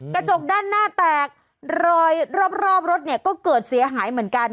กระจกด้านหน้าแตกรอยรอบรถเนี่ยก็เกิดเสียหายเหมือนกัน